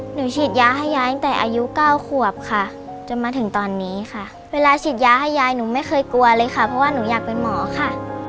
ฉีดยาให้ยายตั้งแต่อายุเก้าขวบค่ะจนมาถึงตอนนี้ค่ะเวลาฉีดยาให้ยายหนูไม่เคยกลัวเลยค่ะเพราะว่าหนูอยากเป็นหมอค่ะ